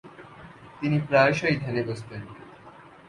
তিনি প্রায়শই ধ্যানে বসতেন।